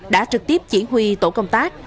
đã trực tiếp chỉ huy tổ công tác